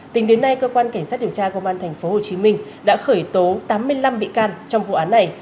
tính đến nay cơ quan cảnh sát điều tra công an tp hcm đã khởi tố tám mươi năm bị can trong vụ án này